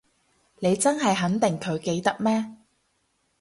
你真係肯定佢記得咩？